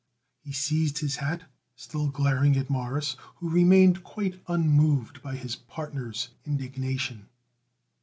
He seized his hat, still glaring at Morris, who remained quite unmoved by his partner's indignation.